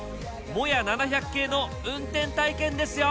モヤ７００系の運転体験ですよ。